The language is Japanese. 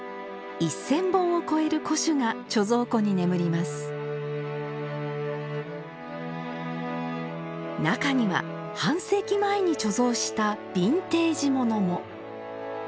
１，０００本を超える古酒が貯蔵庫に眠ります中には半世紀前に貯蔵したビンテージ物も。